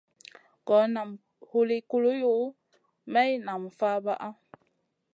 Gor nam huli kuyuʼu, maï nam fabaʼa.